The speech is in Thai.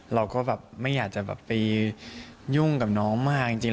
เราก็แบบไม่อยากจะแบบไปยุ่งกับน้องมากจริง